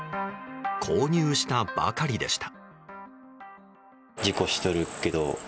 購入したばかりでした。